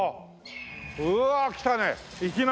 うわっ来たね！